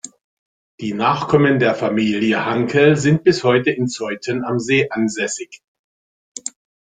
Die Nachkommen der Familie Hankel sind bis heute in Zeuthen am See ansässig.